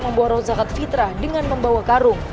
membuarkan zakat fitrah dengan membawa karung